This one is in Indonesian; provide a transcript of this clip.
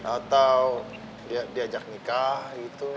atau diajak nikah gitu